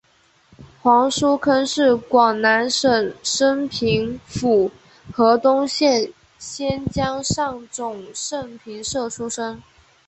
黄叔沆是广南省升平府河东县仙江上总盛平社出生。